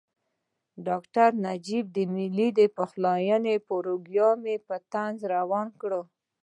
د ډاکټر نجیب د ملي پخلاینې پروګرام یې په طنز وران کړ.